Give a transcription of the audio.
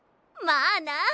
まあな！